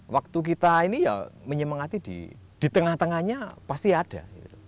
waktu kita ini ya menyemangati di tengah tengahnya pasti ada